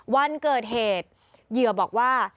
วันเกิดเหตุเหยื่อบอกว่า